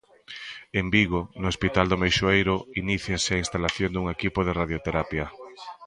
En Vigo, no hospital do Meixoeiro, iníciase a instalación dun novo equipo de radioterapia.